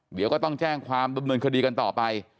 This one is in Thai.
เดี๋ยวก็ต้องแจ้งความดำเนินคดีกันต่อไป